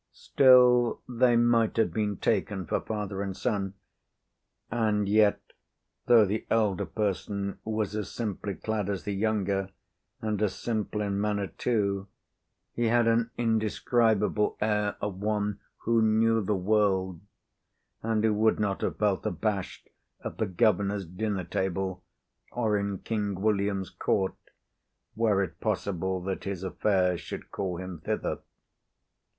Still they might have been taken for father and son. And yet, though the elder person was as simply clad as the younger, and as simple in manner too, he had an indescribable air of one who knew the world, and who would not have felt abashed at the governor's dinner table or in King William's court, were it possible that his affairs should call him thither.